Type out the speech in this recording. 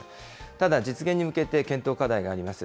ただ、実現に向けて検討課題があります。